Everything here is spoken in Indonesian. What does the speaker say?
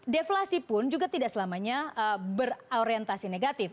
deflasi pun juga tidak selamanya berorientasi negatif